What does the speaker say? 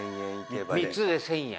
「３つで１０００円？」